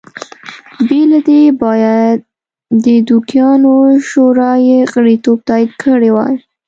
بې له دې باید د دوکیانو شورا یې غړیتوب تایید کړی وای